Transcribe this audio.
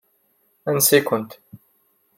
Ansi-kent.